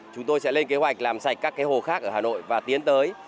chúng tôi sẽ lên kế hoạch làm sạch các hồ khác ở hà nội và tiến tới